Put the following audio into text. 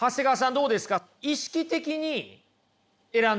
どうですか？